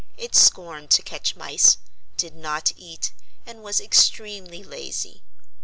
It scorned to catch mice, did not eat, and was extremely lazy.